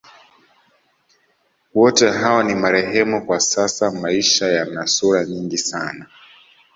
Wote hawa ni marehemu kwa sasa Maisha yana sura nyingi sana